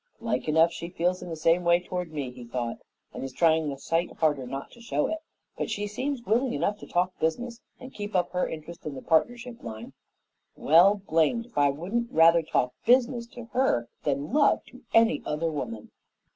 "Like enough she feels in the same way toward me," he thought, "and is trying a sight harder not to show it. But she seems willing enough to talk business and to keep up her interest in the partnership line. Well, blamed if I wouldn't rather talk business to her than love to any other woman!"